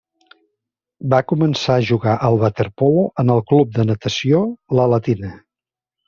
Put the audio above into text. Va començar a jugar al waterpolo en el Club de Natació La Latina.